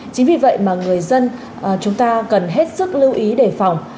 chính vì vậy mà người dân chúng ta cần hết sức lưu ý đề phòng